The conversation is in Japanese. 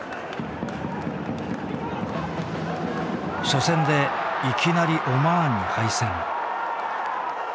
初戦でいきなりオマーンに敗戦。